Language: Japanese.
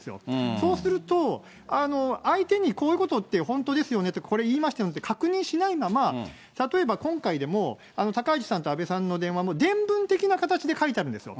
そうすると、相手にこういうことって本当ですよねって、これ言いましたよねって確認しないのは、まあ例えば、今回でも高市さんと安倍さんの電話も伝聞的な形で書いてあるんですよ。